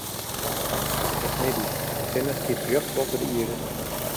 It is middei, de sinne stiet rjocht boppe de ierde.